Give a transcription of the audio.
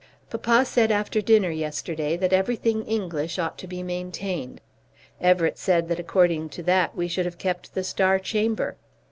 Papa said after dinner yesterday that everything English ought to be maintained. Everett said that according to that we should have kept the Star Chamber.